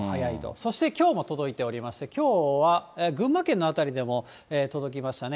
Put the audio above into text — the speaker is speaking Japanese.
そしてきょうも届いておりまして、きょうは群馬県の辺りでも届きましたね。